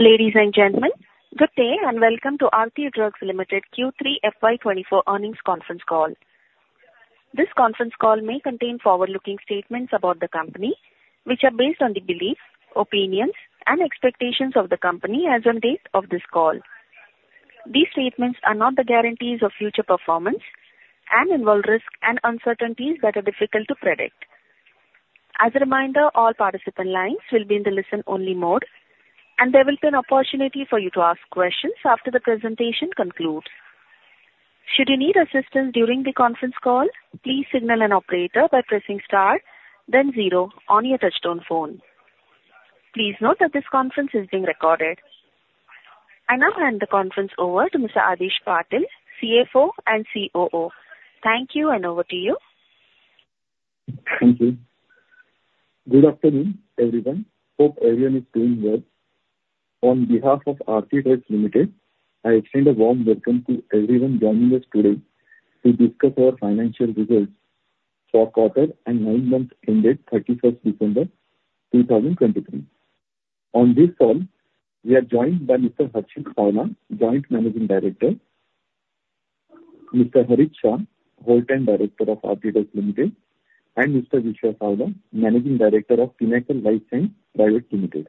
Ladies and gentlemen, good day, and welcome to Aarti Drugs Limited Q3 FY 2024 earnings conference call. This conference call may contain forward-looking statements about the company, which are based on the beliefs, opinions and expectations of the company as on date of this call. These statements are not the guarantees of future performance and involve risks and uncertainties that are difficult to predict. As a reminder, all participant lines will be in the listen-only mode, and there will be an opportunity for you to ask questions after the presentation concludes. Should you need assistance during the conference call, please signal an operator by pressing star, then zero on your touchtone phone. Please note that this conference is being recorded. I now hand the conference over to Mr. Adish Patil, CFO and COO. Thank you, and over to you. Thank you. Good afternoon, everyone. Hope everyone is doing well. On behalf of Aarti Drugs Limited, I extend a warm welcome to everyone joining us today to discuss our financial results for quarter and nine months ended thirty-first December 2023. On this call, we are joined by Mr. Harshil Savla, Joint Managing Director, Mr. Harit Shah, Whole-Time Director of Aarti Drugs Limited, and Mr. Vishwa Savla, Managing Director of Pinnacle Life Science Pvt. Ltd.,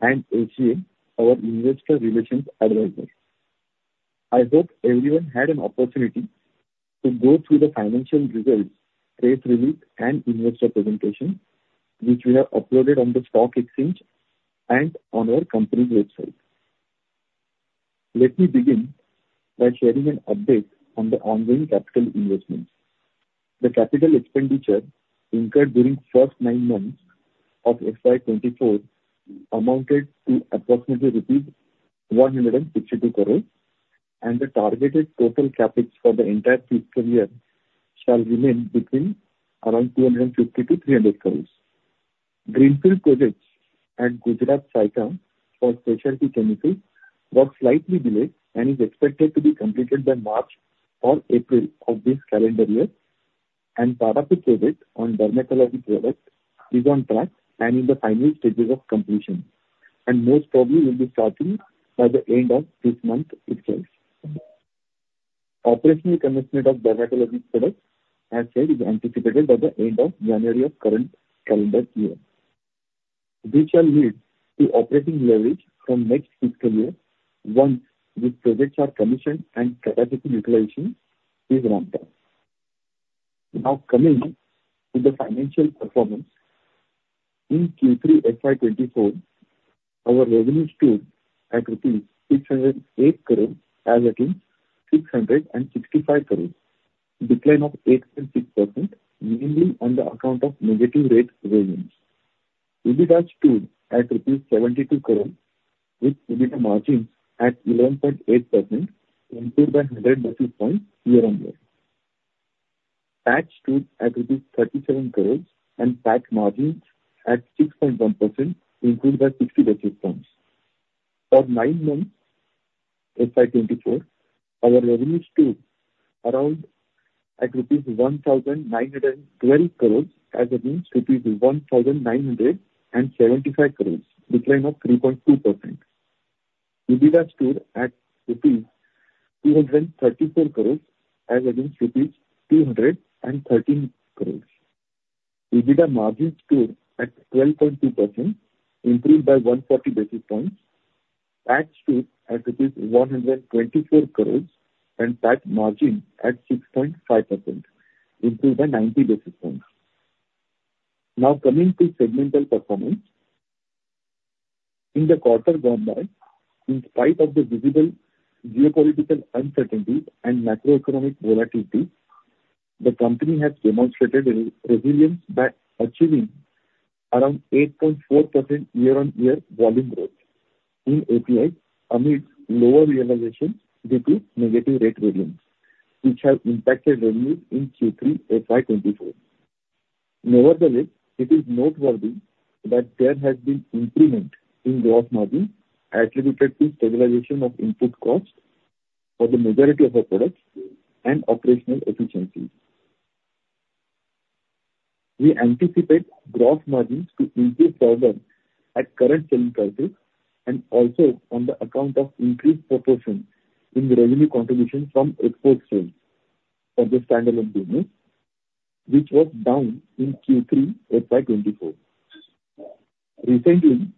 and SGA, our investor relations advisor. I hope everyone had an opportunity to go through the financial results, press release, and investor presentation, which we have uploaded on the stock exchange and on our company website. Let me begin by sharing an update on the ongoing capital investments. The capital expenditure incurred during first 9 months of FY 2024 amounted to approximately rupees 152 crores, and the targeted total CapEx for the entire fiscal year shall remain between around 250 crores to 300 crores. Greenfield projects at Saykha for specialty chemicals got slightly delayed and is expected to be completed by March or April of this calendar year. Tarapur project on dermatology products is on track and in the final stages of completion, and most probably will be starting by the end of this month itself. Operational commencement of dermatology products, I said, is anticipated by the end of January of current calendar year, which shall lead to operating leverage from next fiscal year once these projects are commissioned and capacity utilization is ramped up. Now, coming to the financial performance. In Q3 FY 2024, our revenues stood at INR 608 crore, as against 665 crores, decline of 8.6%, mainly on the account of negative rate variance. EBITDA stood at INR 72 crore, with EBITDA margins at 11.8%, improved by 100 basis points year-on-year. PAT stood at rupees 37 crores, and PAT margins at 6.1%, improved by 60 basis points. For nine months, FY 2024, our revenues stood around at rupees 1,912 crores, as against rupees 1,975 crores, decline of 3.2%. EBITDA stood at rupees 234 crores as against 213 crores. EBITDA margins stood at 12.2%, improved by 140 basis points. PAT stood at INR 124 crore, and PAT margin at 6.5%, improved by 90 basis points. Now, coming to segmental performance. In the quarter gone by, in spite of the visible geopolitical uncertainties and macroeconomic volatility, the company has demonstrated resilience by achieving around 8.4% year-on-year volume growth in API amid lower realization due to negative rate variance, which has impacted revenues in Q3 FY 2024. Nevertheless, it is noteworthy that there has been improvement in gross margin, attributed to stabilization of input costs for the majority of our products and operational efficiencies. We anticipate gross margins to improve further at current selling prices, and also on the account of increased proportion in the revenue contribution from export sales for the standalone business, which was down in Q3 FY 2024. Recently,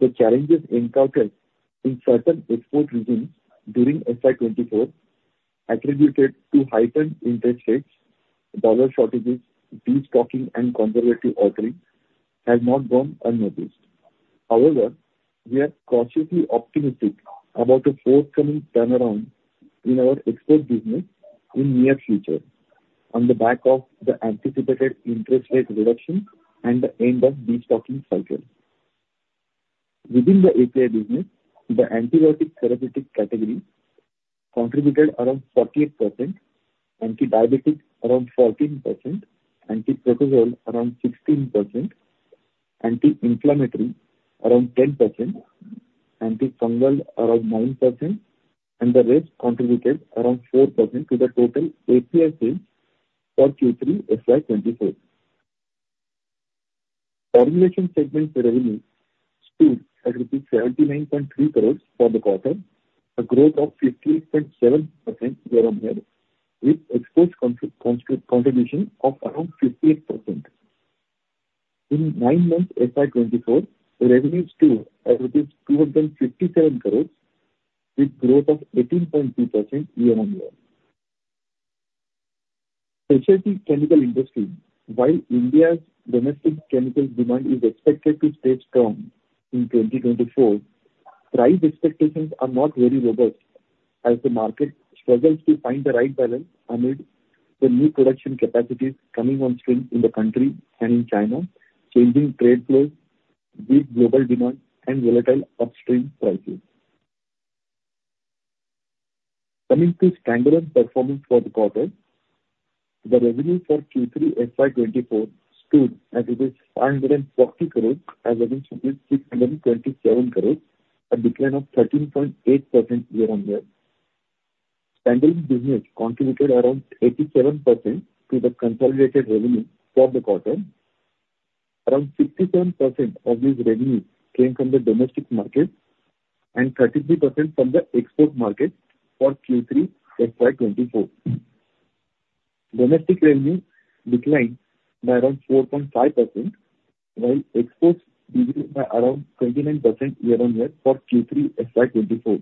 the challenges encountered in certain export regions during FY 2024, attributed to heightened interest rates, dollar shortages, destocking, and conservative ordering, has not gone unnoticed. However, we are cautiously optimistic about a forthcoming turnaround in our export business in near future, on the back of the anticipated interest rate reduction and the end of destocking cycle. Within the API business, the antibiotic therapeutic category contributed around 48%; antidiabetic, around 14%; antiprotozoal, around 16%; anti-inflammatory, around 10%; antifungal, around 9%; and the rest contributed around 4% to the total API sales for Q3 FY 2024. Formulation segment revenue stood at INR 79.3 crores for the quarter, a growth of 58.7% year-on-year, with export contribution of around 58%. In nine months, FY 2024, the revenue stood at rupees 257 crore, with growth of 18.2% year-on-year. Specialty chemical industry, while India's domestic chemical demand is expected to stay strong in 2024, price expectations are not very robust, as the market struggles to find the right balance amid the new production capacities coming on stream in the country and in China, changing trade flows, weak global demand and volatile upstream prices. Coming to Standalone performance for the quarter, the revenue for Q3 FY 2024 stood at INR 540 crore as against INR 627 crore, a decline of 13.8% year-on-year. Standalone business contributed around 87% to the consolidated revenue for the quarter. Around 67% of this revenue came from the domestic market, and 33% from the export market for Q3 FY 2024. Domestic revenue declined by around 4.5%, while exports decreased by around 29% year-on-year for Q3 FY 2024.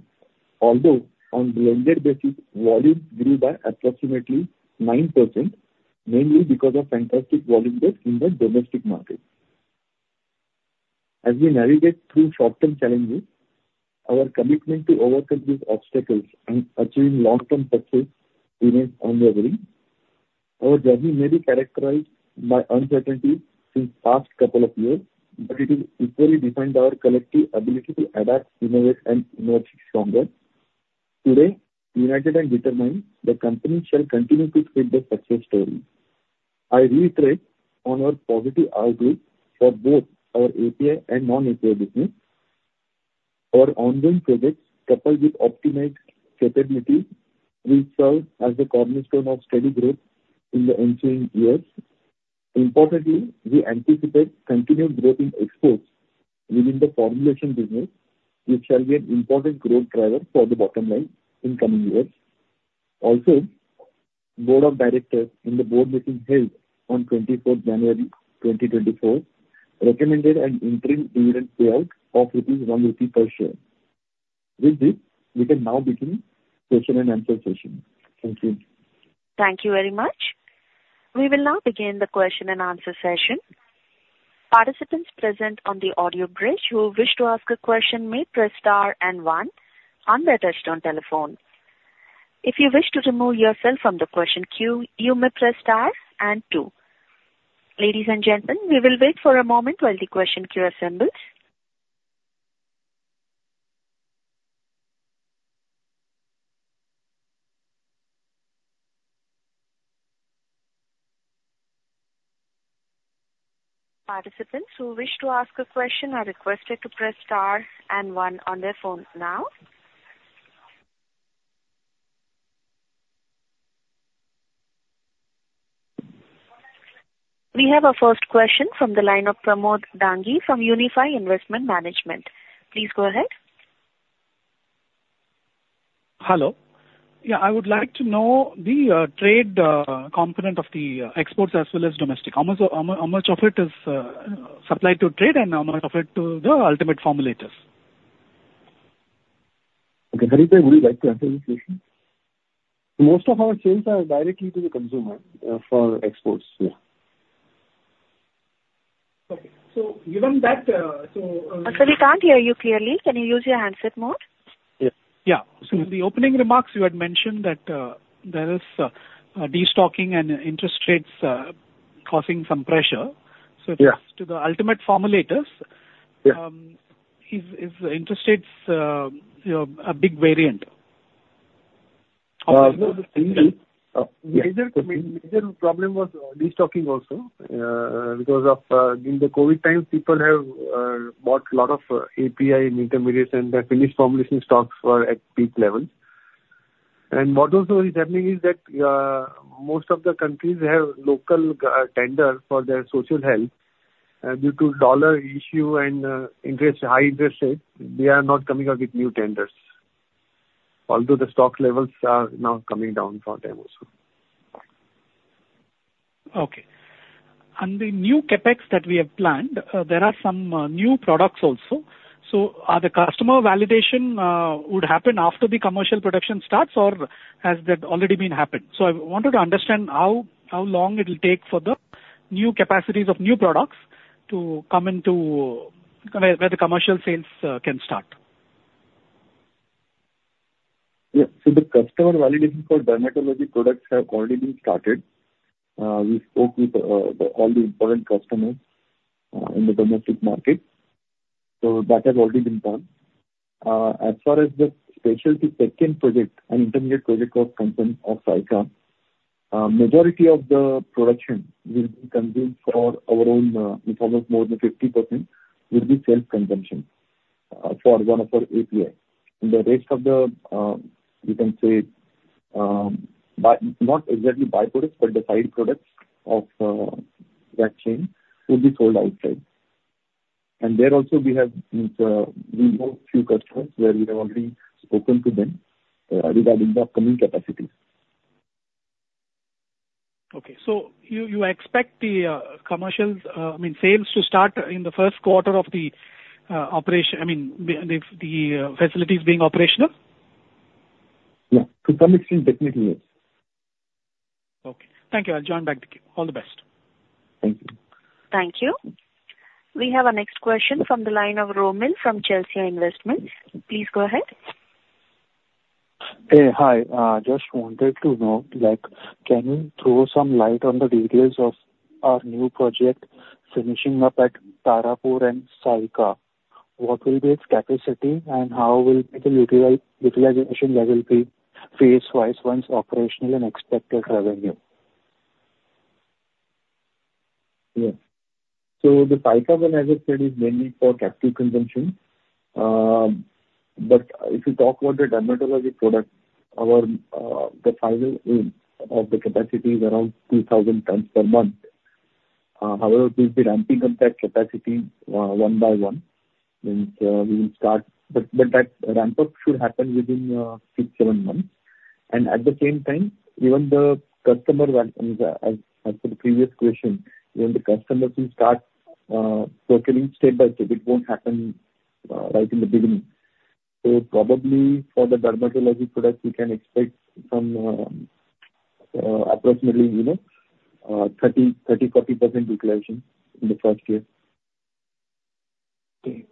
Although, on blended basis, volume grew by approximately 9%, mainly because of fantastic volume growth in the domestic market. As we navigate through short-term challenges, our commitment to overcome these obstacles and achieve long-term success remains unwavering. Our journey may be characterized by uncertainty since past couple of years, but it has equally defined our collective ability to adapt, innovate, and emerge stronger. Today, united and determined, the company shall continue to script the success story. I reiterate on our positive outlook for both our API and non-API business. Our ongoing projects, coupled with optimized capabilities, will serve as the cornerstone of steady growth in the ensuing years. Importantly, we anticipate continued growth in exports within the formulation business, which shall be an important growth driver for the bottom line in coming years. Also, Board of Directors, in the board meeting held on 24th January 2024, recommended an interim dividend payout of 1 rupee per share. With this, we can now begin question and answer session. Thank you. Thank you very much. We will now begin the question and answer session. Participants present on the audio bridge, who wish to ask a question, may press star and one on their touchtone telephone. If you wish to remove yourself from the question queue, you may press star and two. Ladies and gentlemen, we will wait for a moment while the question queue assembles. Participants who wish to ask a question are requested to press star and one on their phone now. We have our first question from the line of Pramod Dangi from Unifi Investment Management. Please go ahead. Hello. Yeah, I would like to know the trade component of the exports as well as domestic. How much of it is supplied to trade and how much of it to the ultimate formulators? Okay, Harit, would you like to answer this question? Most of our sales are directly to the consumer, for exports. Yeah. Okay. So given that, Sir, we can't hear you clearly. Can you use your handset more? Yeah. Yeah. So in the opening remarks, you had mentioned that there is destocking and interest rates causing some pressure. Yeah. So as to the ultimate formulators- Yeah. Is interest rates, you know, a big variant? The major, major problem was destocking also. Because of, in the COVID time, people have bought a lot of API and intermediates, and the finished formulation stocks were at peak levels. And what also is happening is that, most of the countries have local tender for their social health. Due to dollar issue and interest, high interest rates, they are not coming up with new tenders, although the stock levels are now coming down for them also. Okay. And the new CapEx that we have planned, there are some new products also. So, the customer validation would happen after the commercial production starts, or has that already been happened? So I wanted to understand how long it will take for the new capacities of new products to come into where the commercial sales can start. Yeah. So the customer validation for dermatology products have already been started. We spoke with the all the important customers in the domestic market, so that has already been done. As far as the specialty second project and intermediate project of concerned of Saykha, majority of the production will be consumed for our own in terms of more than 50%, will be self-consumption for one of our API. The rest of the you can say, by, not exactly byproducts, but the side products of that chain will be sold outside. And there also, we have we have a few customers where we have already spoken to them regarding the upcoming capacities. Okay. So you expect the commercials, I mean, sales to start in the first quarter of the operation, I mean, the facilities being operational? Yeah. To come in, definitely, yes. Okay. Thank you. I'll join back the queue. All the best. Thank you. Thank you. We have our next question from the line of Romil from Chelsea Investments. Please go ahead. Hey, hi. Just wanted to know, like, can you throw some light on the details of our new project finishing up at Tarapur and Saykha? What will be its capacity, and how will the utilization level be phase-wise, once operational and expected revenue? Yes. So the Saykha one, as I said, is mainly for capital consumption. But if you talk about the dermatology product, our, the final aim of the capacity is around 2,000 tons per month. However, we'll be ramping up that capacity, one by one, and, we will start. But, but that ramp-up should happen within, 6-7 months. And at the same time, even the customer ramp, and as, as for the previous question, even the customers will start, purchasing step by step. It won't happen, right in the beginning. So probably for the dermatology product, we can expect some, approximately, you know, 30%-40% utilization in the first year. Okay.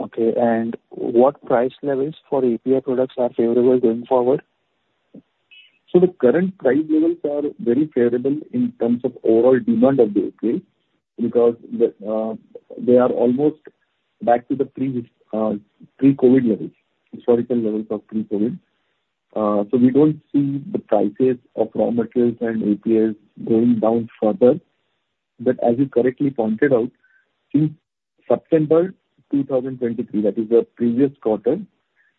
Okay, and what price levels for API products are favorable going forward? So the current price levels are very favorable in terms of overall demand of the API, because they are almost back to the pre-COVID levels, historical levels of pre-COVID. So we don't see the prices of raw materials and APIs going down further. But as you correctly pointed out, since September 2023, that is the previous quarter,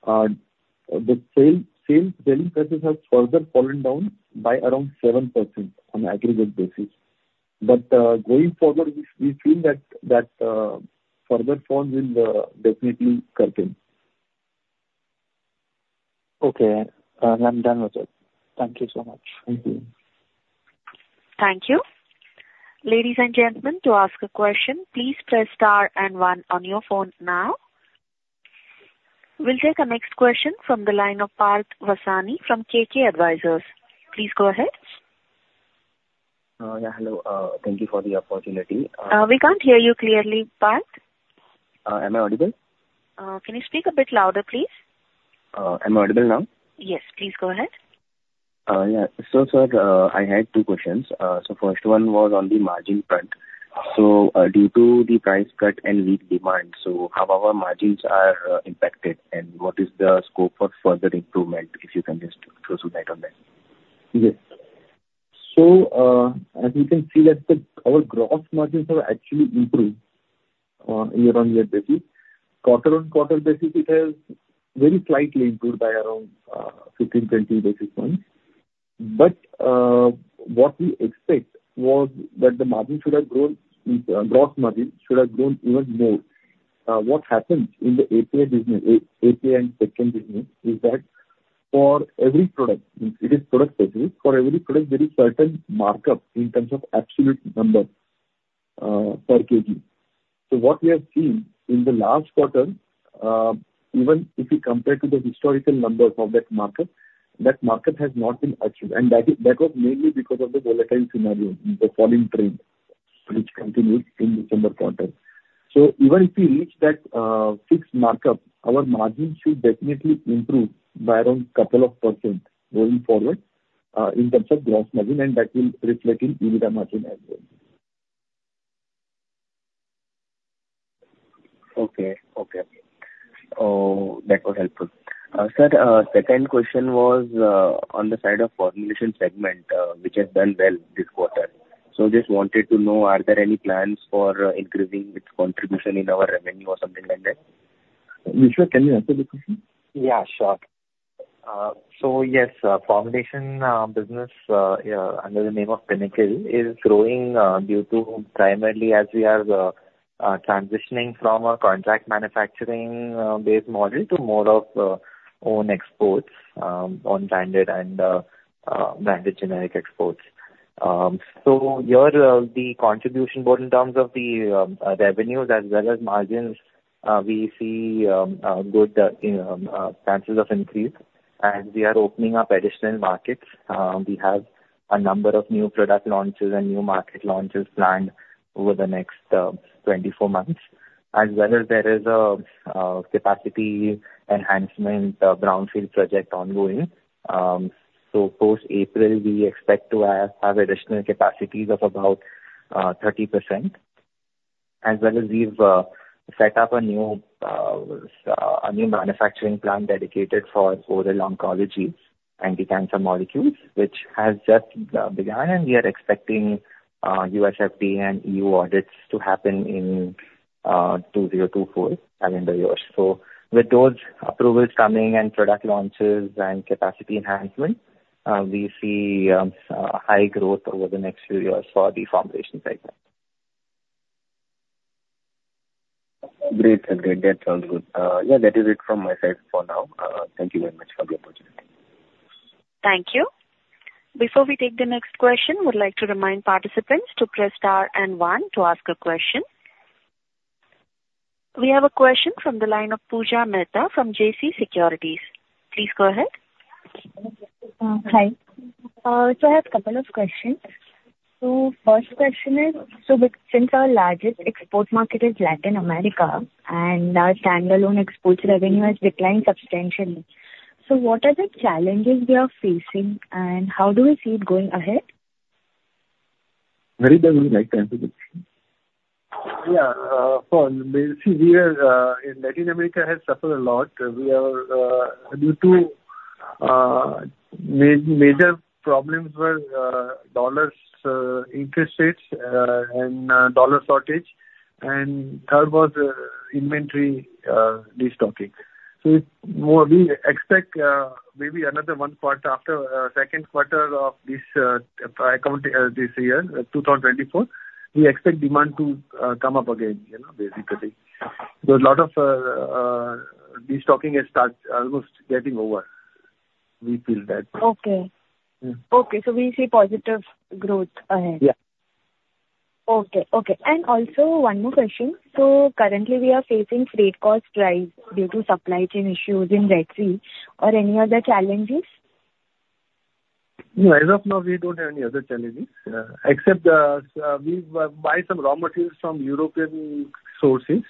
the selling prices have further fallen down by around 7% on aggregate basis. But going forward, we feel that further fall will definitely curtail. Okay. I'm done with it. Thank you so much. Thank you. Thank you. Ladies and gentlemen, to ask a question, please press star and one on your phone now. We'll take our next question from the line of Parth Vasani from KK Advisory. Please go ahead. Yeah, hello. Thank you for the opportunity. We can't hear you clearly, Parth. Am I audible? Can you speak a bit louder, please? Am I audible now? Yes, please go ahead. Yeah. So sir, I had two questions. So first one was on the margin front. So, due to the price cut and weak demand, so how our margins are impacted, and what is the scope for further improvement, if you can just throw some light on that? Yes. So, as you can see, our gross margins have actually improved year-on-year basis. Quarter-on-quarter basis, it has very slightly improved by around 15-20 basis points. But what we expect was that the margin should have grown, gross margin should have grown even more. What happened in the API business, API and second business, is that for every product, it is product specific. For every product, there is certain markup in terms of absolute numbers per kg. So what we have seen in the last quarter, even if you compare to the historical numbers of that market, that market has not been achieved, and that is, that was mainly because of the volatile scenario, the falling trend, which continued in December quarter. So even if we reach that, fixed markup, our margins should definitely improve by around couple of % going forward, in terms of gross margin, and that will reflect in EBITDA margin as well. Okay. Okay, okay. That was helpful. Sir, second question was on the side of formulation segment, which has done well this quarter. So just wanted to know, are there any plans for increasing its contribution in our revenue or something like that? Vishwas, can you answer the question? Yeah, sure. So yes, formulation business, yeah, under the name of Pinnacle, is growing due to primarily as we are transitioning from a contract manufacturing based model to more of own exports on branded and branded generic exports. So here, the contribution both in terms of the revenues as well as margins, we see a good chances of increase as we are opening up additional markets. We have a number of new product launches and new market launches planned over the next 24 months, as well as there is a capacity enhancement brownfield project ongoing. So post-April, we expect to have additional capacities of about 30%, as well as we've set up a new. So, a new manufacturing plant dedicated for oral oncology, anti-cancer molecules, which has just begun, and we are expecting USFDA and EU audits to happen in 2024 calendar year. So with those approvals coming and product launches and capacity enhancement, we see high growth over the next few years for the formulation segment. Great, great. That sounds good. Yeah, that is it from my side for now. Thank you very much for the opportunity. Thank you. Before we take the next question, we'd like to remind participants to press Star and One to ask a question. We have a question from the line of Pooja Mehta from JC Securities. Please go ahead. Hi. So I have a couple of questions. So first question is: So since our largest export market is Latin America, and our standalone exports revenue has declined substantially, so what are the challenges we are facing, and how do we see it going ahead? Harit, would you like to answer this? Yeah, so, basically, we are in Latin America has suffered a lot. We are due to major problems were dollars interest rates and dollar shortage, and third was inventory destocking. So more we expect maybe another one quarter after second quarter of this account this year, 2024, we expect demand to come up again, you know, basically. There's a lot of destocking has start almost getting over. We feel that. Okay. Okay, so we see positive growth ahead? Yeah. Okay, okay. Also one more question: Currently, we are facing freight cost rise due to supply chain issues in Red Sea or any other challenges? No, as of now, we don't have any other challenges, except we buy some raw materials from European sources.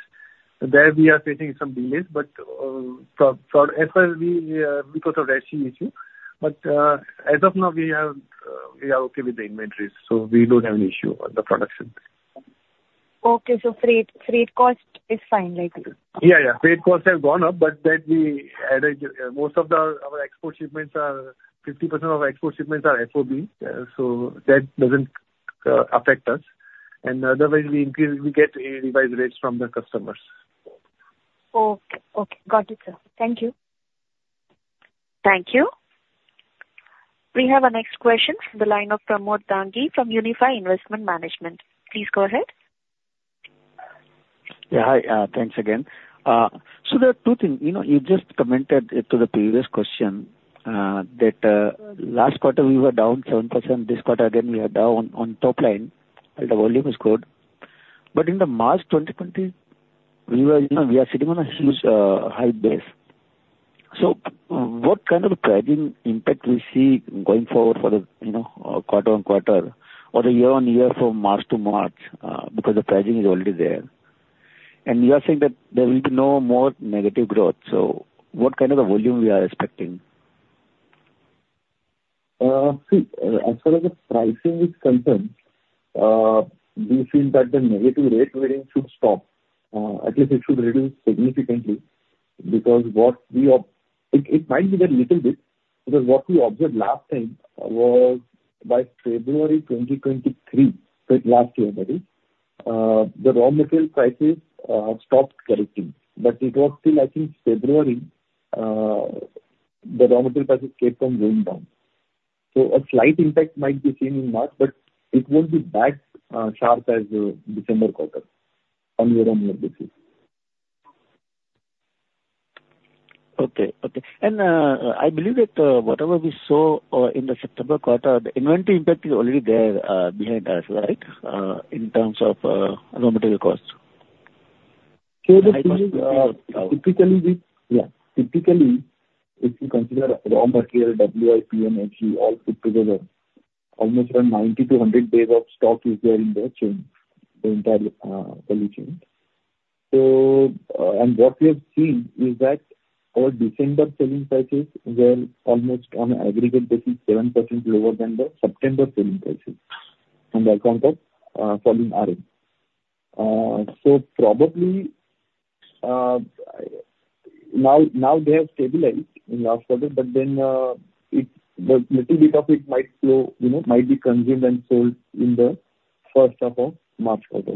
There, we are facing some delays, but for as far as we because of Red Sea issue. But, as of now, we are okay with the inventories, so we don't have an issue on the production. Okay. So freight, freight cost is fine, right? Yeah, yeah. Freight costs have gone up, but that we added most of our export shipments are 50% of export shipments are FOB, so that doesn't affect us. And otherwise, we increase, we get a revised rates from the customers. Okay. Okay. Got it, sir. Thank you. Thank you. We have our next question from the line of Pramod Dangi from Unifi Investment Management. Please go ahead. Yeah, hi, thanks again. So there are two things. You know, you just commented to the previous question that last quarter we were down 7%, this quarter again, we are down on top line, and the volume is good. But in the March 2020, we were, you know, we are sitting on a huge high base. So what kind of pricing impact we see going forward for the, you know, quarter-on-quarter or the year-on-year from March to March because the pricing is already there. And you are saying that there will be no more negative growth, so what kind of a volume we are expecting? See, as far as the pricing is concerned, we feel that the negative rate variance should stop. At least it should reduce significantly, because it might be there little bit, because what we observed last time was by February 2023, so last year that is, the raw material prices stopped correcting. But it was still, I think, February, the raw material prices kept on going down. So a slight impact might be seen in March, but it won't be that sharp as the December quarter, on year-on-year basis. Okay. Okay. I believe that, whatever we saw, in the September quarter, the inventory impact is already there, behind us, right? In terms of raw material costs. So the thing is, typically we- Yeah. Typically, if you consider raw material, WIP, and FG all put together, almost around 90-100 days of stock is there in the chain, the entire, value chain. So, and what we have seen is that our December selling prices were almost on an aggregate basis, 7% lower than the September selling prices, on the account of, falling RM. So probably, now, now they have stabilized in last quarter, but then, it's, the little bit of it might flow, you know, might be consumed and sold in the first half of March quarter.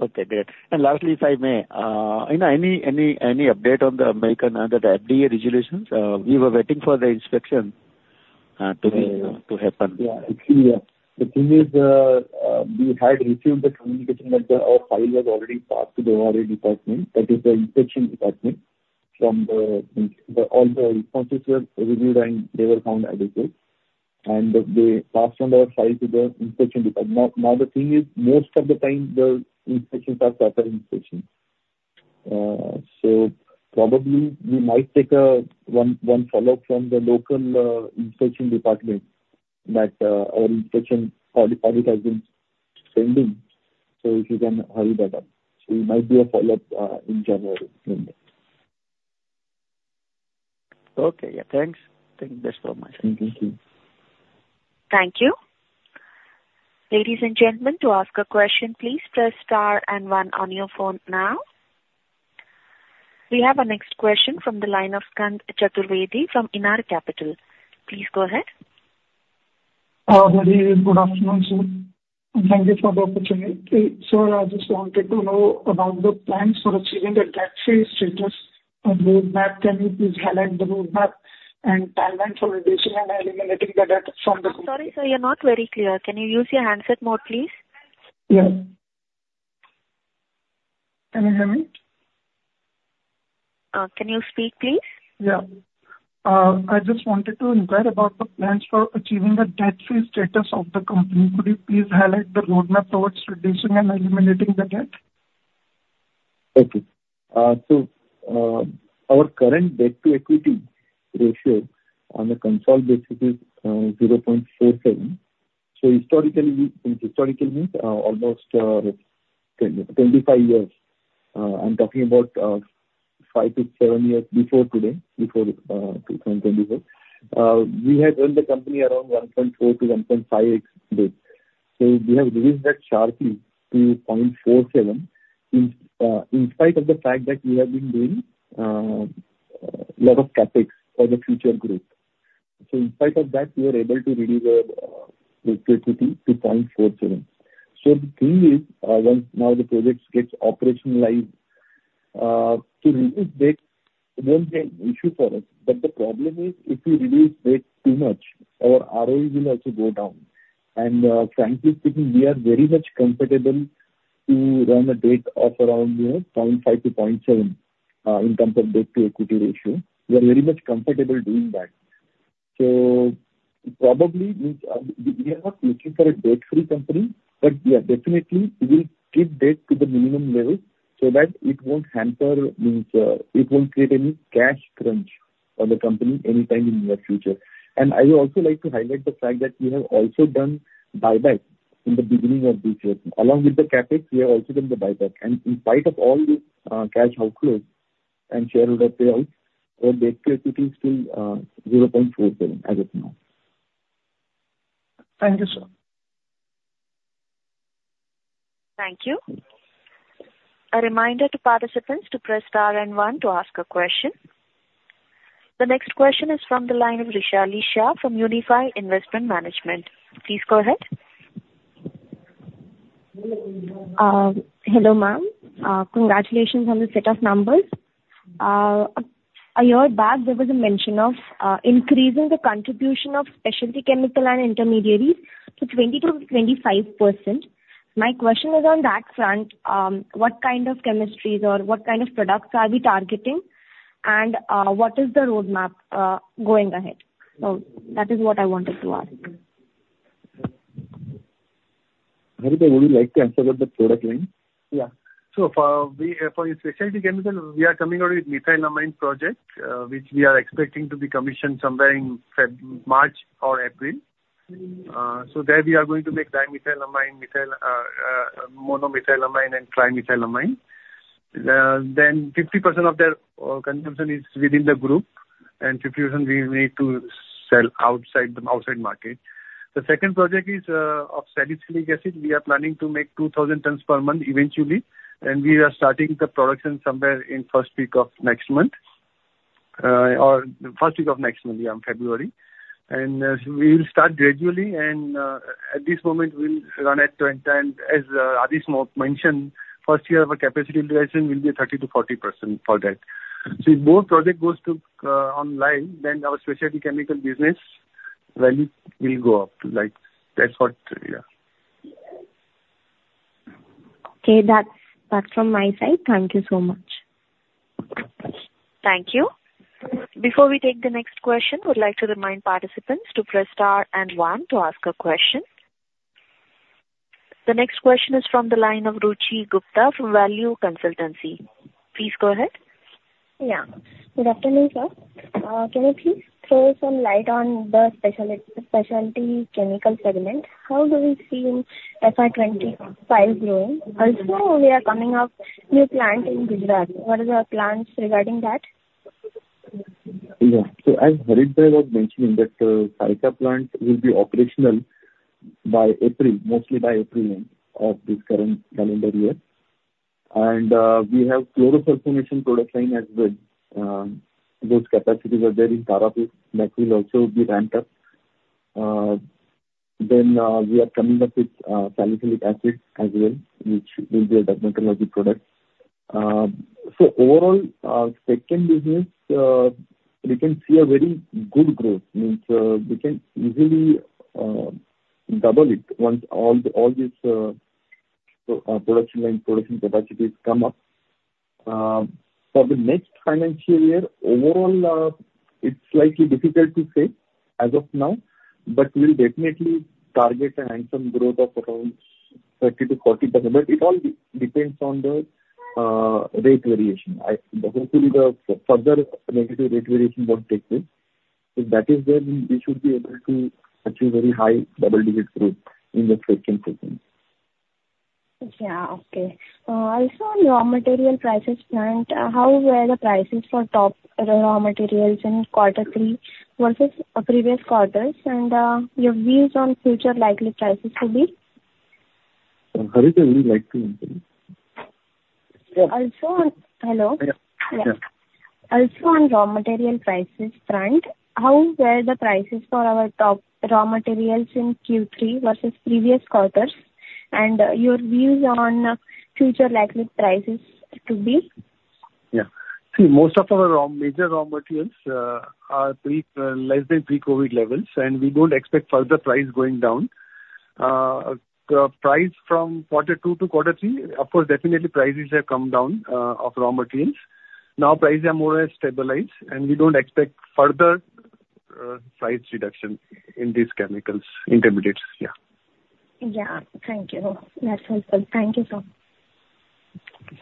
Okay, great. And lastly, if I may, you know, any update on the American, the FDA regulations? We were waiting for the inspection to happen. Yeah, actually, the thing is, we had received the communication that our file was already passed to the RA department, that is the inspection department, from the all the responses were reviewed, and they were found adequate. And they passed on the file to the inspection department. Now, the thing is, most of the time, the inspections are proper inspections. So probably we might take one follow-up from the local inspection department that our inspection audit has been pending, so if you can hurry that up. So it might be a follow-up in January. Okay, yeah, thanks. Thank you. That's all from my side. Thank you. Ladies and gentlemen, to ask a question, please press star and one on your phone now. We have our next question from the line of Kant Chaturvedi from INR Capital. Please go ahead. Very good afternoon, sir, and thank you for the opportunity. So I just wanted to know about the plans for achieving the debt-free status and roadmap. Can you please highlight the roadmap and timeline for reducing and eliminating the debt from the- I'm sorry, sir, you're not very clear. Can you use your handset mode, please? Yeah. Can you hear me? Can you speak, please? Yeah. I just wanted to inquire about the plans for achieving the debt-free status of the company. Could you please highlight the roadmap towards reducing and eliminating the debt? Okay. So, our current debt-to-equity ratio on a consolidated basis is 0.47. So historically, historically means almost 10-25 years. I'm talking about 5-7 years before today, before 2024. We had run the company around 1.4-1.5x debt. So we have reduced that sharply to 0.47, in spite of the fact that we have been doing a lot of CapEx for the future growth. So in spite of that, we are able to reduce our debt to equity to 0.47. So the thing is, once now the projects gets operationalized, to reduce debt won't be an issue for us. But the problem is, if we reduce debt too much, our ROE will also go down. Frankly speaking, we are very much comfortable to run a debt of around, you know, 0.5-0.7 in terms of debt-to-equity ratio. We are very much comfortable doing that. So probably, means, we are not looking for a debt-free company, but yeah, definitely we'll keep debt to the minimum level so that it won't hamper, means, it won't create any cash crunch on the company anytime in near future. And I would also like to highlight the fact that we have also done buyback in the beginning of this year. Along with the CapEx, we have also done the buyback. And in spite of all this, cash outflows and shareholder payouts, our debt to equity is still, zero point four seven as of now. Thank you, sir. Thank you. A reminder to participants to press star and one to ask a question. The next question is from the line of Vaishali Shah from Unifi Investment Management. Please go ahead. Hello, ma'am. Congratulations on the set of numbers. A year back, there was a mention of increasing the contribution of specialty chemicals and intermediates to 20%-25%. My question is on that front, what kind of chemistries or what kind of products are we targeting? And what is the roadmap going ahead? So that is what I wanted to ask. Harit, would you like to answer the product line? Yeah. So for the specialty chemical, we are coming out with methylamine project, which we are expecting to be commissioned somewhere in February, March or April. So there we are going to make dimethylamine, methylamine, monomethylamine and trimethylamine. Then 50% of their consumption is within the group, and 50% we need to sell outside, the outside market. The second project is of salicylic acid. We are planning to make 2,000 tons per month eventually, and we are starting the production somewhere in first week of next month, or first week of next month, yeah, February. And we'll start gradually and at this moment, we'll run at 20. And as Adish Patil mentioned, first year of a capacity utilization will be a 30%-40% for that. So if both project goes online, then our specialty chemical business value will go up to, like, that's what... Okay, that's from my side. Thank you so much. Thank you. Before we take the next question, I would like to remind participants to press star and one to ask a question. The next question is from the line of Ruchi Gupta from Value Consultancy. Please go ahead. Yeah. Good afternoon, sir. Can you please throw some light on the specialty chemical segment? How do we see in FY 2025 growing? Also, we are coming up new plant in Gujarat. What are your plans regarding that? Yeah. So as Harit was mentioning, that Saykha plant will be operational by April, mostly by April end of this current calendar year. And we have chlorosulfonation product line as well. Those capacities are there in Tarapur, that will also be ramped up. Then we are coming up with salicylic acid as well, which will be a dermatology product. So overall, our second business, we can see a very good growth. Means we can easily double it once all these production line, production capacities come up. For the next financial year, overall, it's slightly difficult to say as of now, but we'll definitely target a handsome growth of around 30%-40%. But it all depends on the rate variation. I hopefully, the further negative rate variation won't take place. If that is there, we should be able to achieve very high double-digit growth in the second segment. Yeah, okay. Also on raw material prices front, how were the prices for top raw materials in quarter three versus previous quarters, and your views on future likely prices to be? Harit, would you like to answer? Also on. Hello? Yeah. Yeah. Also, on raw material prices front, how were the prices for our top raw materials in Q3 versus previous quarters, and your views on future likely prices to be? Yeah. See, most of our raw, major raw materials, are less than pre-COVID levels, and we don't expect further price going down. The price from quarter two to quarter three, of course, definitely prices have come down, of raw materials. Now prices are more or less stabilized, and we don't expect further, price reduction in these chemicals, intermediates, yeah. Yeah. Thank you. That's helpful. Thank you, sir.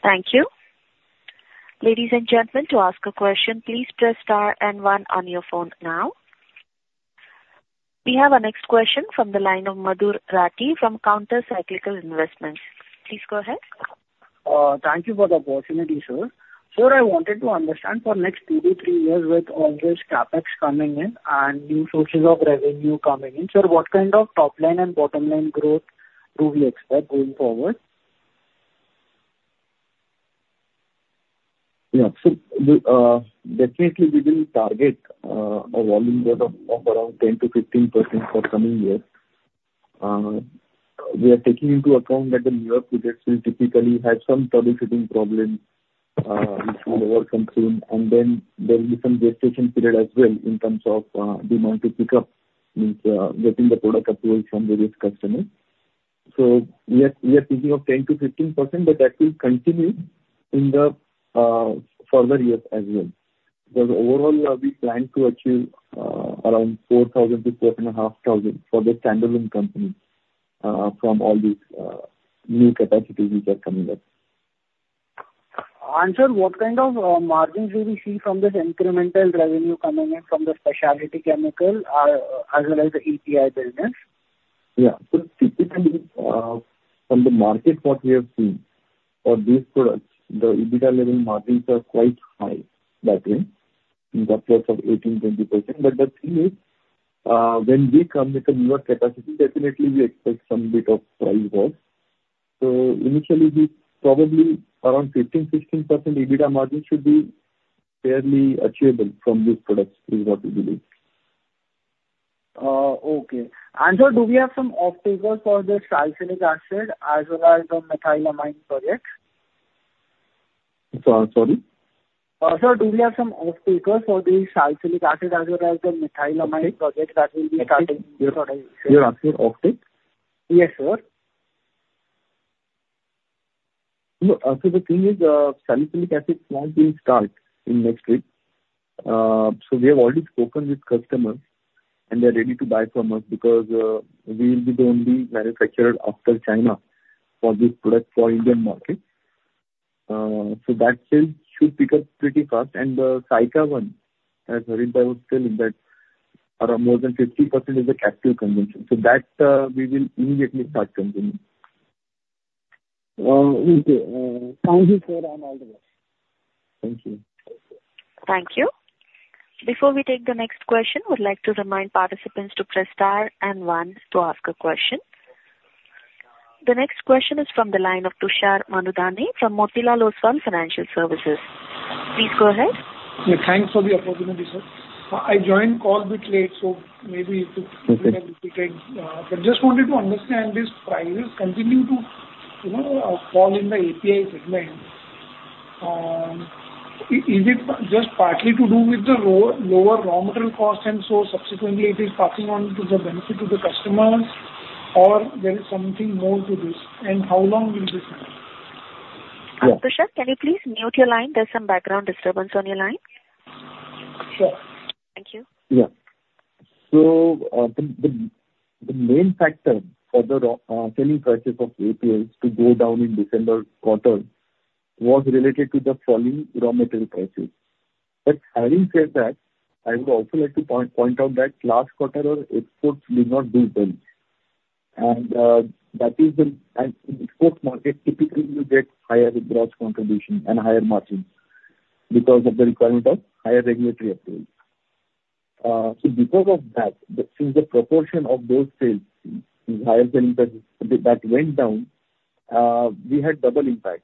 Thank you. Ladies and gentlemen, to ask a question, please press star and one on your phone now. We have our next question from the line of Madhur Rathi from Counter Cyclical Investments. Please go ahead. Thank you for the opportunity, sir. Sir, I wanted to understand for next two to three years, with all this CapEx coming in and new sources of revenue coming in, sir, what kind of top-line and bottom-line growth do we expect going forward? Yeah. So we definitely will target a volume growth of around 10%-15% for coming years. We are taking into account that the new projects will typically have some troubleshooting problems, which will overcome soon. And then there will be some gestation period as well in terms of demand to pick up, means getting the product approval from various customers. So we are thinking of 10%-15%, but that will continue in the further years as well. Because overall, we are planning to achieve around 4,000-4,500 for the standalone company from all these new capacities which are coming up. Sir, what kind of margins will we see from this incremental revenue coming in from the specialty chemical, as well as the API business? Yeah. So typically, from the market, what we have seen for these products, the EBITDA level margins are quite high that way, in the plus of 18%-20%. But the thing is, when we come with a newer capacity, definitely we expect some bit of price drop. So initially, we probably around 15%-16% EBITDA margin should be fairly achievable from these products is what we believe. Okay. Sir, do we have some off-takers for the salicylic acid as well as the methylamine project? So, sorry? Sir, do we have some off-takers for the salicylic acid as well as the methylamine project that will be starting? You're asking off-takes? Yes, sir. No, so the thing is, salicylic acid plant will start in next week. So we have already spoken with customers, and they're ready to buy from us because we will be the only manufacturer after China for this product for Indian market. So that sales should pick up pretty fast. And, Saykha one, as Harit would tell you that around more than 50% is the captive consumption. So that, we will immediately start consuming. Okay. Thank you, sir, and all the best. Thank you. Thank you. Before we take the next question, I would like to remind participants to press star and one to ask a question. The next question is from the line of Tushar Manudhane from Motilal Oswal Financial Services. Please go ahead. Yeah, thanks for the opportunity, sir. I, I joined call bit late, so maybe to but just wanted to understand, these prices continue to, you know, fall in the API segment. Is it just partly to do with the lower raw material costs, and so subsequently it is passing on to the benefit to the customers, or there is something more to this? And how long will this last? Tushar, can you please mute your line? There's some background disturbance on your line. Sure. Thank you. Yeah. So, the main factor for the raw selling prices of APIs to go down in December quarter was related to the falling raw material prices. But having said that, I would also like to point out that last quarter our exports did not do well. And the export market typically will get higher gross contribution and higher margins because of the requirement of higher regulatory approvals. So because of that, since the proportion of those sales, the higher selling prices, that went down, we had double impact.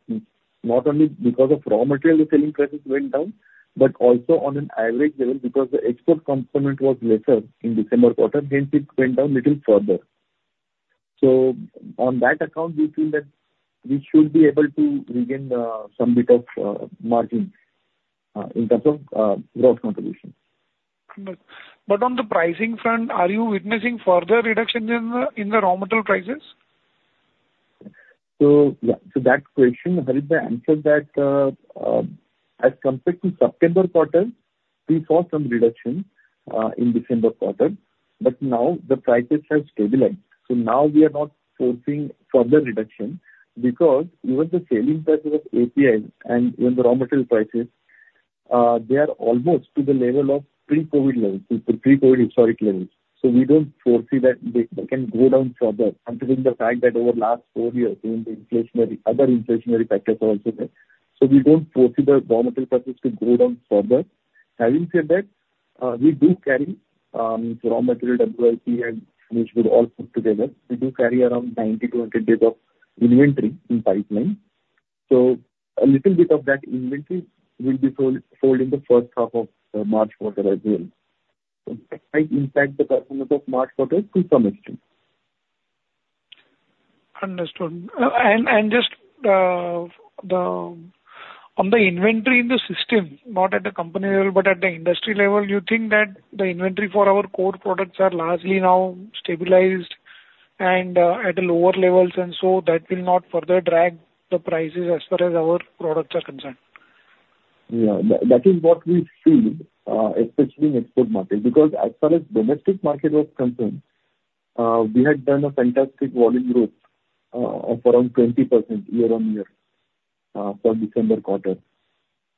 Not only because of raw material, the selling prices went down, but also on an average level, because the export component was lesser in December quarter, hence it went down little further. So on that account, we feel that we should be able to regain some bit of margin in terms of growth contribution. But on the pricing front, are you witnessing further reduction in the raw material prices? So yeah, so that question, Harit, answer that, as compared to September quarter, we saw some reduction in December quarter, but now the prices have stabilized. So now we are not foreseeing further reduction because even the selling prices of APIs and even the raw material prices, they are almost to the level of pre-COVID levels, pre-COVID historic levels. So we don't foresee that they can go down further, considering the fact that over the last 4 years, even the inflationary, other inflationary factors are also there. So we don't foresee the raw material prices to go down further. Having said that, we do carry raw material, WIP, and which will all put together. We do carry around 90-100 days of inventory in pipeline. So a little bit of that inventory will be sold in the first half of March quarter as well. So that might impact the performance of March quarter to some extent. Understood. And just, on the inventory in the system, not at the company level, but at the industry level, you think that the inventory for our core products are largely now stabilized and, at lower levels, and so that will not further drag the prices as far as our products are concerned? Yeah. That, that is what we feel, especially in export market, because as far as domestic market was concerned, we had done a fantastic volume growth of around 20% year-on-year for December quarter.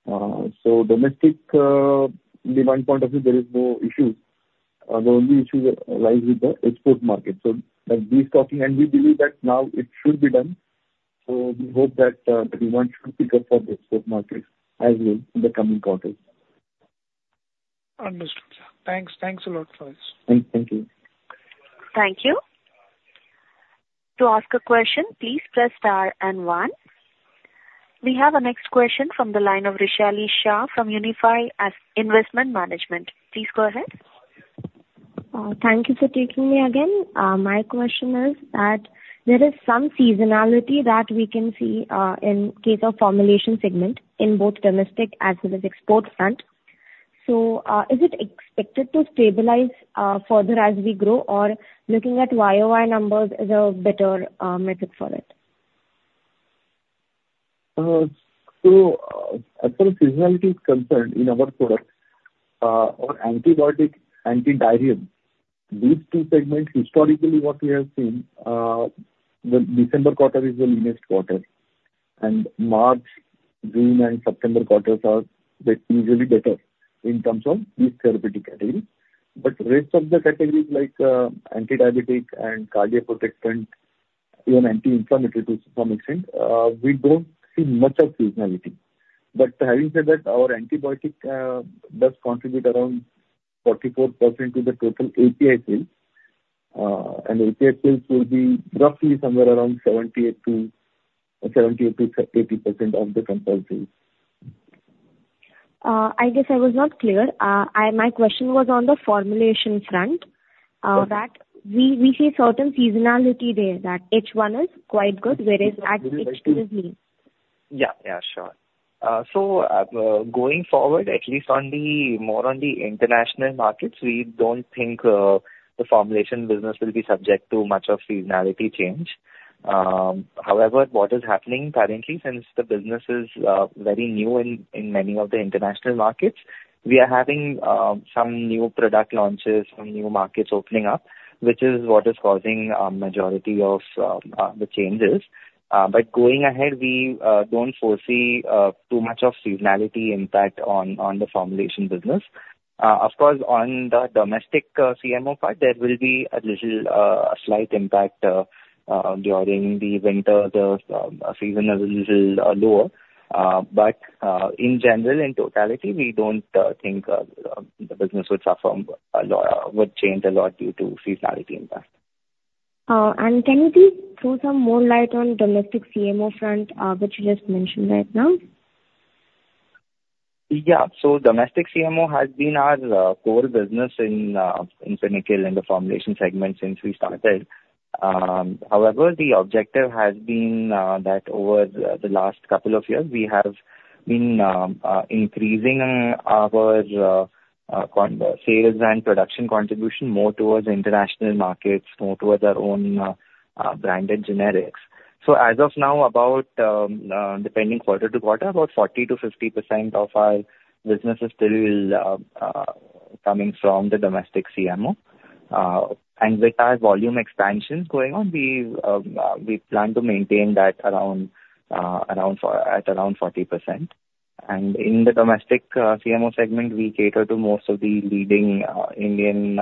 So domestic demand point of view, there is no issue. The only issue lies with the export market. So like we talking and we believe that now it should be done, so we hope that the demand should pick up for the export markets as well in the coming quarters. Understood, sir. Thanks. Thanks a lot for this. Thank you. Thank you. To ask a question, please press star and one. We have our next question from the line of Vaishali Shah from Unifi Investment Management. Please go ahead. Thank you for taking me again. My question is that there is some seasonality that we can see in case of formulation segment in both domestic as well as export front. So, is it expected to stabilize further as we grow or looking at year-on-year numbers is a better metric for it? So, as far as seasonality is concerned in our product, on antibiotic, antidiarrheal, these two segments, historically what we have seen, the December quarter is the lowest quarter, and March, June, and September quarters are usually better in terms of these therapeutic categories. But rest of the categories like, antidiabetic and cardiac protectant, even anti-inflammatory to some extent, we don't see much of seasonality. But having said that, our antibiotic does contribute around 44% to the total API sales. And API sales will be roughly somewhere around 70%-80% of the total sales. I guess I was not clear. My question was on the formulation front, that we see certain seasonality there, that H1 is quite good, whereas at H2 is mean. Yeah. Yeah, sure. So, going forward, at least on the more on the international markets, we don't think the formulation business will be subject to much of seasonality change. However, what is happening currently, since the business is very new in many of the international markets, we are having some new product launches, some new markets opening up, which is what is causing majority of the changes. But going ahead, we don't foresee too much of seasonality impact on the formulation business. Of course, on the domestic CMO part, there will be a little, a slight impact during the winter. The season is a little lower. But, in general, in totality, we don't think the business would suffer a lot, would change a lot due to seasonality impact. Can you please throw some more light on domestic CMO front, which you just mentioned right now? Yeah. So domestic CMO has been our core business in technical in the formulation segment since we started. However, the objective has been that over the last couple of years, we have been increasing our sales and production contribution more towards international markets, more towards our own branded generics. So as of now, about depending quarter to quarter, about 40%-50% of our business is still coming from the domestic CMO. And with our volume expansions going on, we plan to maintain that at around 40%. And in the domestic CMO segment, we cater to most of the leading Indian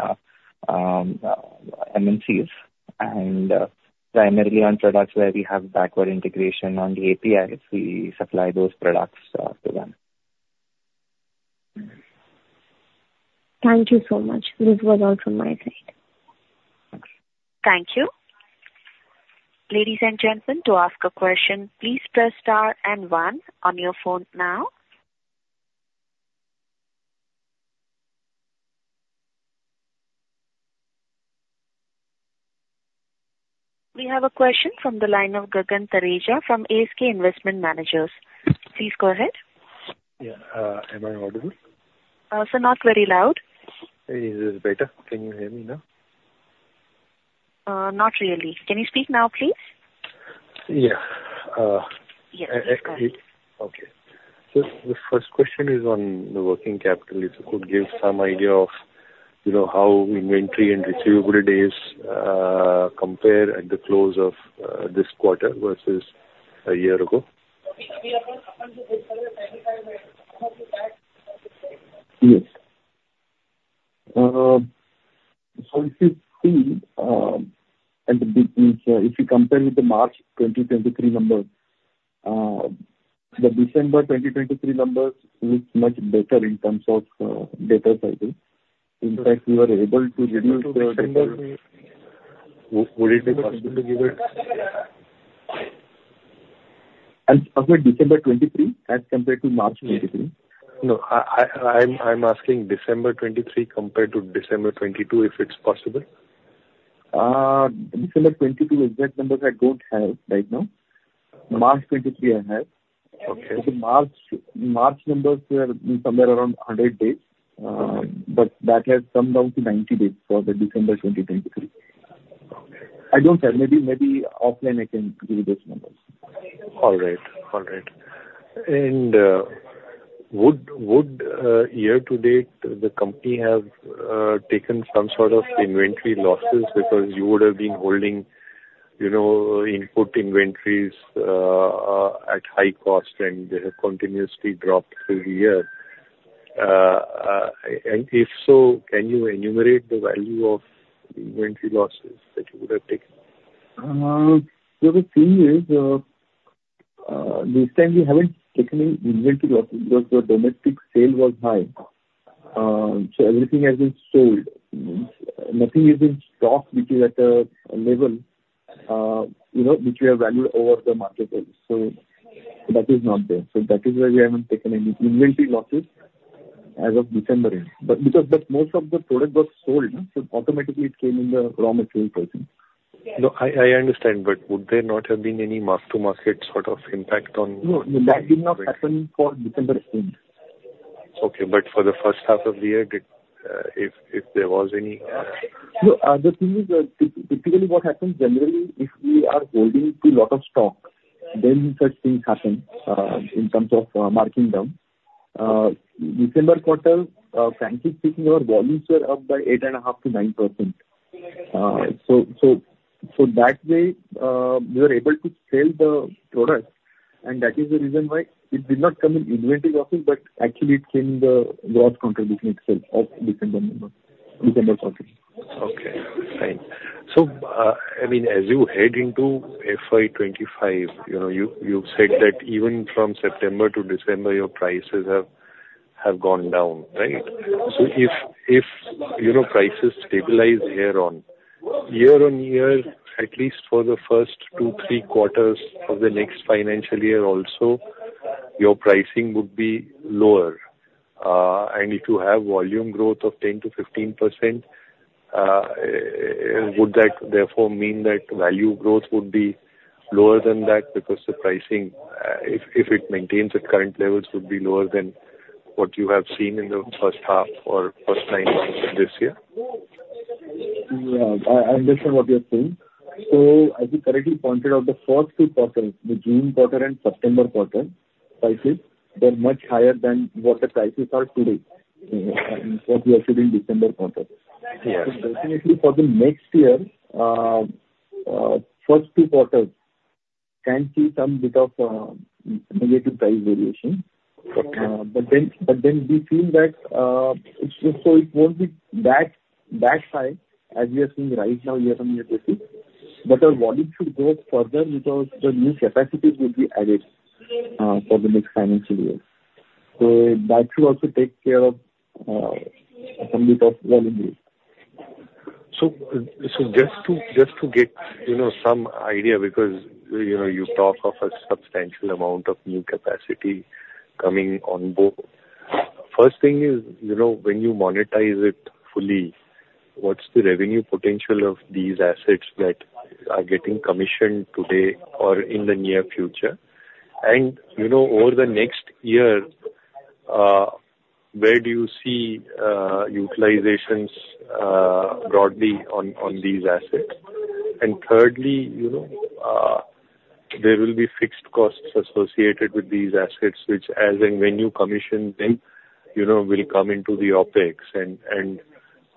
MNCs, and primarily on products where we have backward integration on the APIs. We supply those products to them. Thank you so much. This was all from my side. Thank you. Ladies and gentlemen, to ask a question, please press star and one on your phone now. We have a question from the line of Gagan Thareja from ASK Investment Managers. Please go ahead. Yeah. Am I audible? Sir, not very loud. Is this better? Can you hear me now? Not really. Can you speak now, please? Yeah. Uh- Yes, go ahead. Okay. So the first question is on the working capital. If you could give some idea of. You know, how inventory and receivable days compare at the close of this quarter versus a year ago? Yes. So if you see, at the big picture, if you compare with the March 2023 number, the December 2023 numbers looks much better in terms of, data cycling. In fact, we were able to reduce the December- Would it be possible to give it? I'm sorry, December 2023 as compared to March 2023? No, I'm asking December 2023 compared to December 2022, if it's possible. December 2022, exact numbers I don't have right now. March 2023 I have. Okay. March, March numbers were somewhere around 100 days, but that has come down to 90 days for December 2023. Okay. I don't have. Maybe, maybe offline I can give you those numbers. All right. And would year to date, the company have taken some sort of inventory losses? Because you would have been holding, you know, input inventories at high cost, and they have continuously dropped through the year. And if so, can you enumerate the value of the inventory losses that you would have taken? So the thing is, this time we haven't taken any inventory losses because the domestic sale was high. So everything has been sold. Nothing is in stock, which is at a level, you know, which we have valued over the market price. So that is not there. So that is why we haven't taken any inventory losses as of December end. But because most of the product was sold, so automatically it came in the raw material pricing. No, I, I understand, but would there not have been any mark-to-market sort of impact on- No, that did not happen for December end. Okay. But for the first half of the year, if there was any- No, the thing is, typically what happens, generally, if we are holding to a lot of stock, then such things happen, in terms of, marking down. December quarter, frankly speaking, our volumes were up by 8.5%-9%. So, so, so that way, we were able to sell the product, and that is the reason why it did not come in inventory losses, but actually it came in the growth contribution itself of December number, December quarter. Okay, fine. So, I mean, as you head into FY 2025, you know, you've said that even from September to December, your prices have gone down, right? So if you know, prices stabilize here on year on year, at least for the first two, three quarters of the next financial year also, your pricing would be lower. And if you have volume growth of 10%-15%, would that therefore mean that value growth would be lower than that? Because the pricing, if it maintains at current levels, would be lower than what you have seen in the first half or first nine months of this year. Yeah, I understand what you're saying. So as you correctly pointed out, the first two quarters, the June quarter and September quarter prices, they're much higher than what the prices are today, and what we are seeing December quarter. Yes. So definitely for the next year, first two quarters can see some bit of negative price variation. Okay. But then we feel that, so it won't be that high as we are seeing right now, year-on-year basis. But our volume should grow further because the new capacities will be added for the next financial year. So that should also take care of some bit of volume growth. So, just to get, you know, some idea, because, you know, you talk of a substantial amount of new capacity coming on board. First thing is, you know, when you monetize it fully, what's the revenue potential of these assets that are getting commissioned today or in the near future? And, you know, over the next year, where do you see utilizations broadly on these assets? And thirdly, you know, there will be fixed costs associated with these assets, which as and when you commission them, you know, will come into the OpEx. And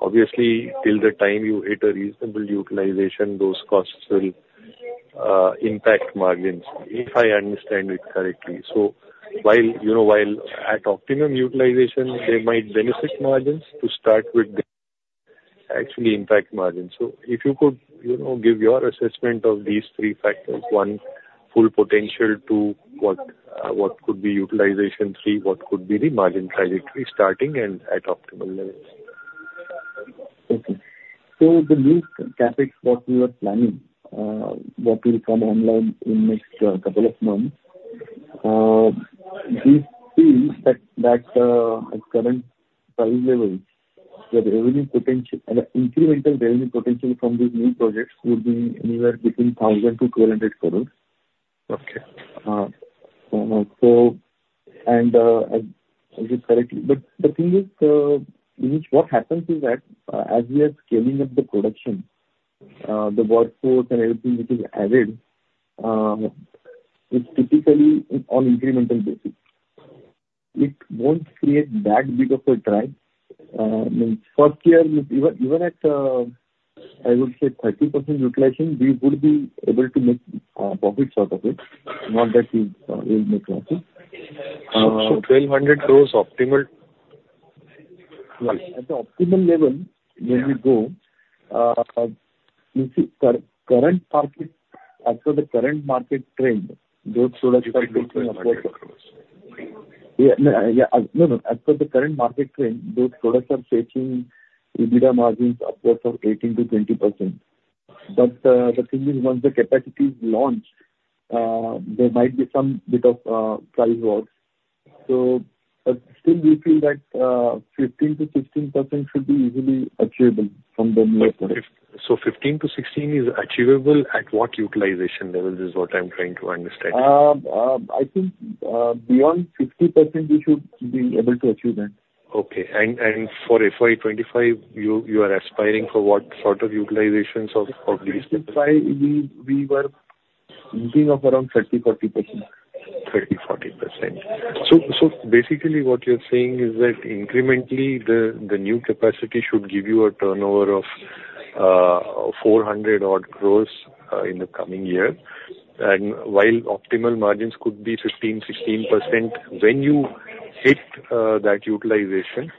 obviously, till the time you hit a reasonable utilization, those costs will impact margins, if I understand it correctly. So while, you know, at optimum utilization, they might benefit margins to start with, actually impact margins. So if you could, you know, give your assessment of these three factors, one, full potential; two, what, what could be utilization; three, what could be the margin trajectory starting and at optimal levels? Okay. So the new CapEx, what we were planning, what will come online in next couple of months, we feel that, that, at current price levels, the revenue potential... the incremental revenue potential from these new projects would be anywhere between 1,000 to 1,200 crores. Okay. As you correctly. But the thing is, what happens is that, as we are scaling up the production, the workforce and everything which is added... It's typically on incremental basis. It won't create that big of a drag. Means first year, even at, I would say 30% utilization, we would be able to make profit out of it. Not that we will make profit. 1,200 crore optimal? Right. At the optimal level, when we go, you see current market, as per the current market trend, those products are fetching EBITDA margins upwards of 18%-20%. But, the thing is, once the capacity is launched, there might be some bit of, price war. So, but still we feel that, 15%-16% should be easily achievable from the new plant. 15%-16% is achievable at what utilization level, is what I'm trying to understand? I think, beyond 50% we should be able to achieve that. Okay. And for FY 2025, you are aspiring for what sort of utilizations of this? FY, we, we were thinking of around 30%-40%. 30%-40%. So basically what you're saying is that incrementally, the new capacity should give you a turnover of 400-odd crore in the coming year. And while optimal margins could be 15%-16% when you hit that utilization.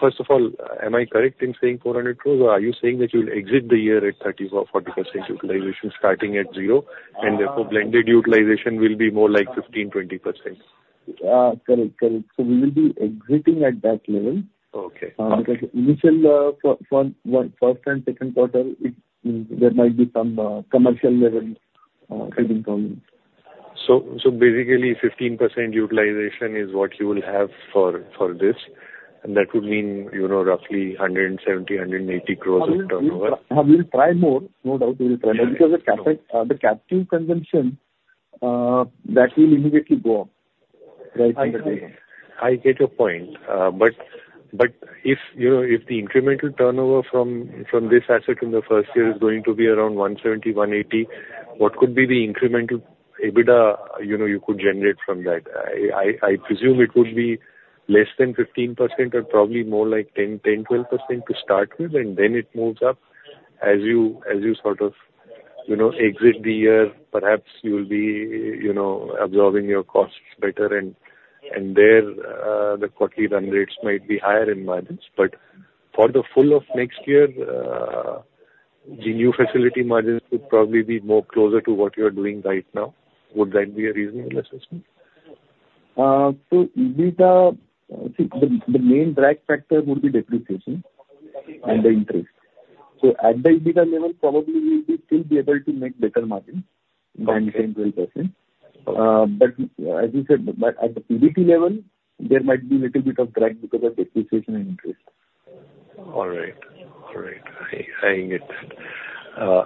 First of all, am I correct in saying 400 crore, or are you saying that you'll exit the year at 30% or 40% utilization starting at zero, and therefore, blended utilization will be more like 15%-20%? Correct, correct. So we will be exiting at that level. Okay. Because initial for first and second quarter, there might be some commercial level coming from. So basically, 15% utilization is what you will have for this, and that would mean, you know, roughly 170 crore-180 crore of turnover. We'll try more. No doubt we will try. Yeah. Because the captive consumption that will immediately go up right from the beginning. I get your point. But, but if, you know, if the incremental turnover from, from this asset in the first year is going to be around 170-180, what could be the incremental EBITDA, you know, you could generate from that? I presume it would be less than 15% or probably more like 10%, 12% to start with, and then it moves up. As you, as you sort of, you know, exit the year, perhaps you'll be, you know, absorbing your costs better, and, and there, the quarterly run rates might be higher in margins. But for the full of next year, the new facility margins would probably be more closer to what you're doing right now. Would that be a reasonable assessment? So EBITDA, the, the main drag factor would be depreciation and the interest. So at the EBITDA level, probably we will still be able to make better margin, 9%, 10%, 12%. But as you said, but at the PBT level, there might be little bit of drag because of depreciation and interest. All right. All right. I, I get that.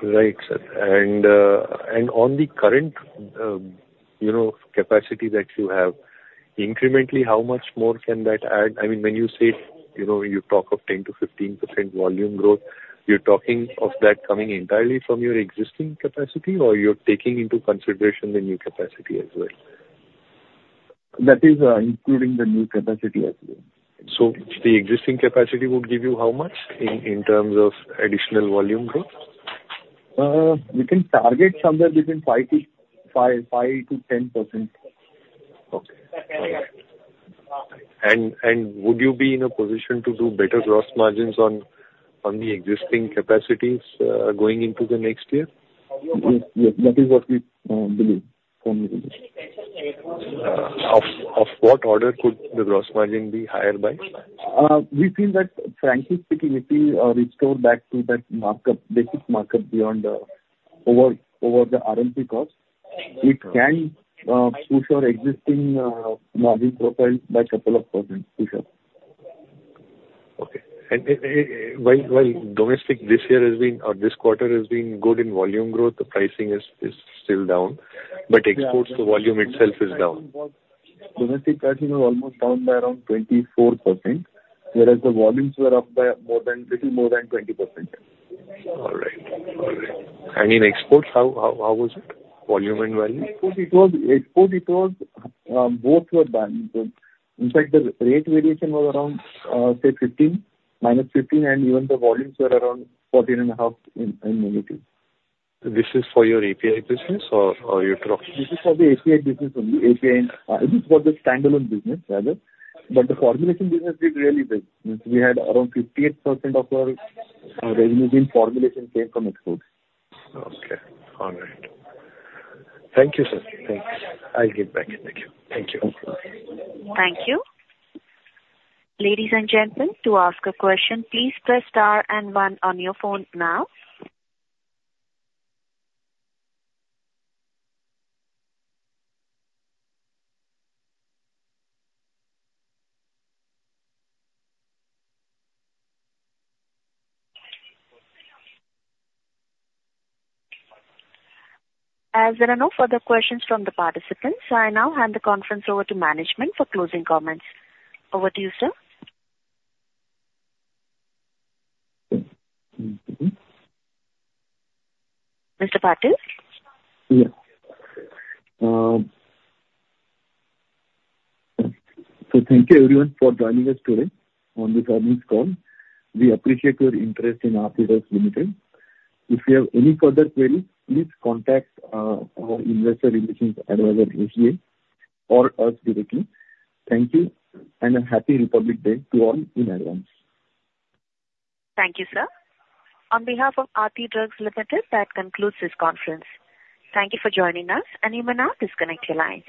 Right, sir. And, and on the current, you know, capacity that you have, incrementally, how much more can that add? I mean, when you say, you know, you talk of 10%-15% volume growth, you're talking of that coming entirely from your existing capacity, or you're taking into consideration the new capacity as well? That is, including the new capacity as well. The existing capacity would give you how much in terms of additional volume growth? We can target somewhere between 5%-10%. Okay. All right. And, and would you be in a position to do better gross margins on, on the existing capacities, going into the next year? Yes, that is what we believe, firmly believe. Of what order could the gross margin be higher by? We feel that, frankly speaking, if we restore back to that markup, basic markup beyond the, over, over the RM cost, it can push our existing margin profile by couple of % for sure. Okay. And while domestic this year has been, or this quarter has been good in volume growth, the pricing is still down. But exports, the volume itself is down. Domestic pricing are almost down by around 24%, whereas the volumes were up by more than, little more than 20%. All right. All right. And in exports, how was it, volume and value? Exports, it was exports, it was both were down. In fact, the rate variation was around, say 15, -15, and even the volumes were around 14.5 in negative. This is for your API business or your drugs? This is for the API business only. API, this is for the standalone business, rather. But the formulation business did really well. We had around 58% of our revenues in formulation came from exports. Okay. All right. Thank you, sir. Thanks. I'll get back. Thank you. Thank you. Thank you. Ladies and gentlemen, to ask a question, please press star and one on your phone now. As there are no further questions from the participants, I now hand the conference over to management for closing comments. Over to you, sir. Mr. Patil? Yeah. So thank you everyone for joining us today on this earnings call. We appreciate your interest in Aarti Drugs Limited. If you have any further queries, please contact our investor relations advisor, SGA, or us directly. Thank you, and a Happy Republic Day to all in advance. Thank you, sir. On behalf of Aarti Drugs Limited, that concludes this conference. Thank you for joining us, and you may now disconnect your line.